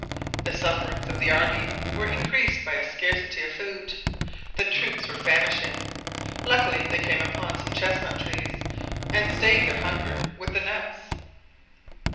The sufferings of the army were increased by a scarcity of food. The troops were famishing. Luckily they came upon some chestnut trees and stayed their hunger with the nuts.